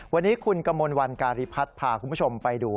วันนี้คุณกมลวันการิพัฒน์พาคุณผู้ชมไปดู